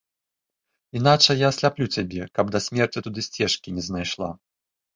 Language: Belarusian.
Іначай я асляплю цябе, каб да смерці туды сцежкі не знайшла!